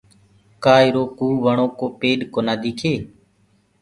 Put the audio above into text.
ڪدآ اِرو ڪوُ وڻو ڪو پيڏ ڪونآ ديِکي؟